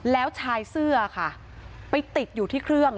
แล้วชายเสื้อค่ะไปติดอยู่ที่เครื่อง